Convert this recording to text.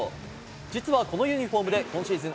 実はこのユニホームで今シーズン